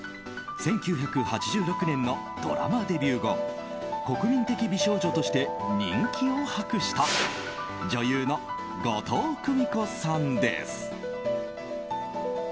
１９８６年のドラマデビュー後国民的美少女として人気を博した女優の後藤久美子さんです。